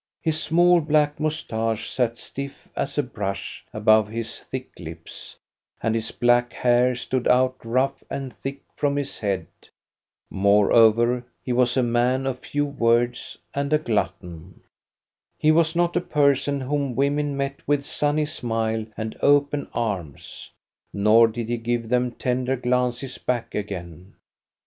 His small black moustache sat stiff as a brush above his thick lips, and his black hair stood out rough and thick from his head. Moreover, he was THE GREAT BEAR IN GURLITTA CUFF 1 29 a man of few words and a glutton. He was not a person whom women meet with sunny smile and open arms, nor did he give them tender glances back again.